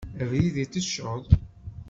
Abrid itecceḍ.